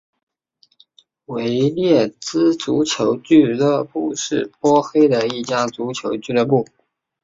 维列兹足球俱乐部是波黑的一家足球俱乐部。